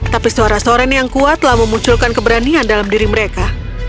tapi suara soren yang kuat telah memunculkan keberanian dalam diri mereka